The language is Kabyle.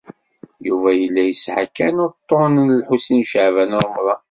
Yuba yella yesɛa kan uḍḍun n Lḥusin n Caɛban u Ṛemḍan.